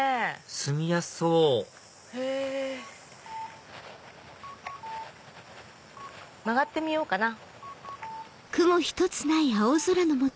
住みやすそう曲がってみようかな。